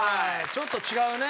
ちょっと違うね。